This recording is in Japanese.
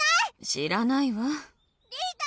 知らないわリタ！